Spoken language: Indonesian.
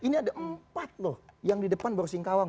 ini ada empat loh yang di depan bor singkawang